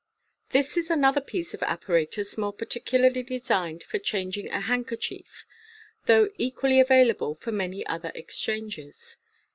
— This is another piece of apparatus more particularly designed for changing a handkerchief, though equally available for many other exchanges.